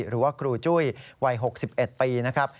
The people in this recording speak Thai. หรือว่าครูจุ้ยวัย๖๑ปีนะครับ